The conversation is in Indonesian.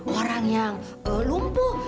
orang yang lumpuh